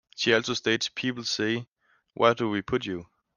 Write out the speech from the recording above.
She also states People say 'where do we put you?